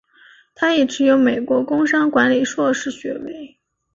他亦持有美国工商管理硕士学位。